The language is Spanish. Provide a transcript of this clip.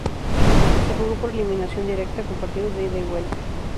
Se jugó por eliminación directa con partidos de ida y vuelta.